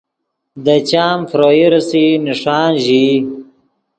دے چام فروئی ریسئی نݰان ژیئی